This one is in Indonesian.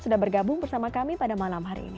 sudah bergabung bersama kami pada malam hari ini